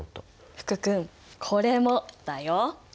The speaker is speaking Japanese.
福くんこれもだよ。